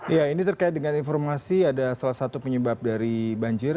ya ini terkait dengan informasi ada salah satu penyebab dari banjir